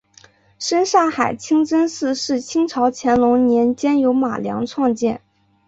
什刹海清真寺是清朝乾隆年间由马良创建。